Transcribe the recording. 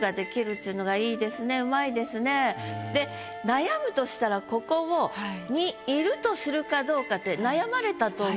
で悩むとしたらここを「にゐる」とするかどうかって悩まれたと思うんですよね。